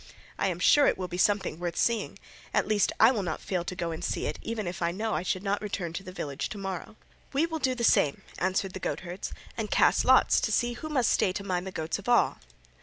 I am sure it will be something worth seeing; at least I will not fail to go and see it even if I knew I should not return to the village to morrow." "We will do the same," answered the goatherds, "and cast lots to see who must stay to mind the goats of all."